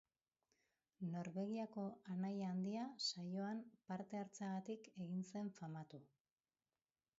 Norvegiako Anaia Handia saioan parte hartzeagatik egin zen famatu.